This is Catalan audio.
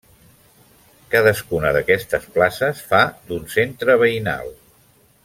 Cadascuna d'aquestes places fa d'un centre veïnal.